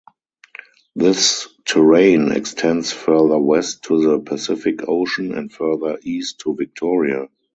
This terrane extends further west to the Pacific Ocean and further east to Victoria.